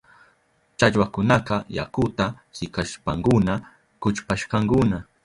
Challwakunaka yakuta sikashpankuna kuchpashkakuna.